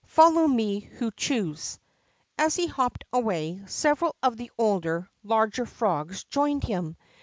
Follow me who choose." As he hopped away, several of the older, larger frogs joined him.